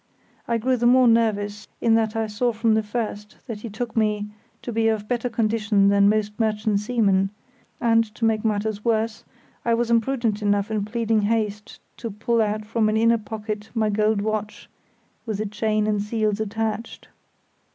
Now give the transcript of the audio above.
I grew the more nervous in that I saw from the first that he took me to be of better condition than most merchant seamen; and, to make matters worse, I was imprudent enough in pleading haste to pull out from an inner pocket my gold watch with the chain and seals attached.